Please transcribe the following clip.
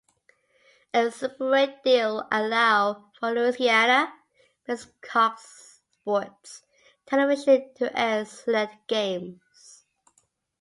A separate deal will allow for Louisiana-based Cox Sports Television to air select games.